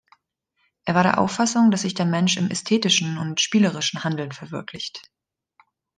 Er war der Auffassung, dass sich der Mensch im ästhetischen und spielerischen Handeln verwirklicht.